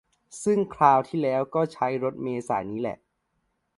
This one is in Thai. ซึ่งคราวที่แล้วก็ใช้รถเมล์สายนี้แหละ